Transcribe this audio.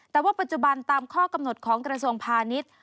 แต่ว่าปัจจุบันตามข้อกำหนดของกระทรวงพาณิชย์